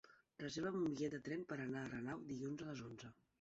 Reserva'm un bitllet de tren per anar a Renau dilluns a les onze.